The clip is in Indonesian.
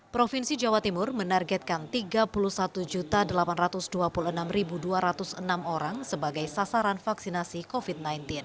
provinsi jawa timur menargetkan tiga puluh satu delapan ratus dua puluh enam dua ratus enam orang sebagai sasaran vaksinasi covid sembilan belas